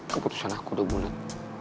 keputusan aku udah bulet